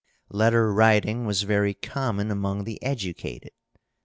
Letter writing was very common among the educated.